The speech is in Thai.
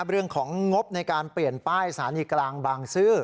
เรื่องของงบในการเปลี่ยนป้ายสถานีกลางบางซื่อ